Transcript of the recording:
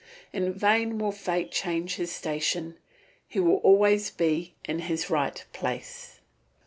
In vain will fate change his station, he will always be in his right place.